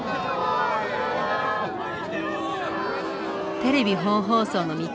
テレビ本放送の３日目。